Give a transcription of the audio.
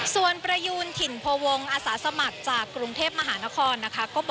ส่วนประยูนถิ่นพวงศ์อาสาสมัครจากกรุงเทพมหานครนะคะ